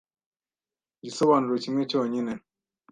Igisobanuro kimwe cyo nyine